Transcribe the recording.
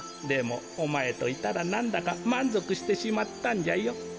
でもおまえといたらなんだかまんぞくしてしまったんじゃよ。